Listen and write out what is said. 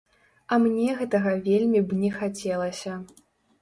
А мне гэтага вельмі б не хацелася.